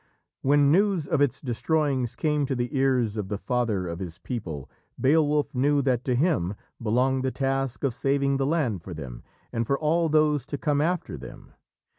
When news of its destroyings came to the ears of the father of his people, Beowulf knew that to him belonged the task of saving the land for them and for all those to come after them.